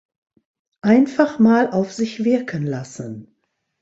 Einfach mal auf sich wirken lassen!